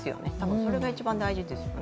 それが一番大事ですよね。